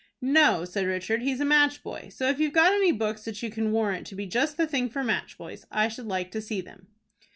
"No," said Richard, "he's a match boy; so if you've got any books that you can warrant to be just the thing for match boys, I should like to see them."